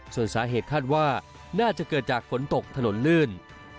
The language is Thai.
ส่วนสาเหตุคาดว่าน่าจะเกิดจากฝนตกถนนลื่น